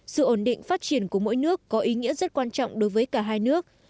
sự ổn định phát triển của mỗi nước có ý nghĩa rất quan trọng đối với cả hai nước